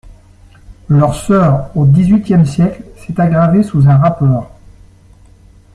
Leur sort, au XVIIIe siècle, s'est aggravé sous un rapport.